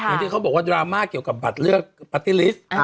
ที่เขาบอกว่าดราม่าเกี่ยวกับบัตรเลือกปาร์ตี้ลิสต์